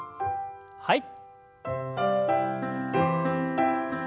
はい。